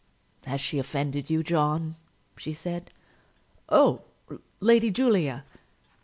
"Has she offended you, John?" she said. "Oh, Lady Julia!"